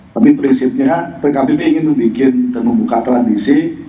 tapi prinsipnya pkb ini ingin membuat dan membuka tradisi